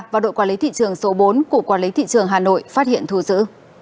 và đội quản lý thị trường số bốn của quản lý thị trường hà nội phát hiện thù dữ